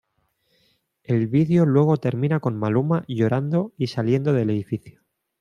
El video luego termina con Maluma llorando y saliendo del edificio.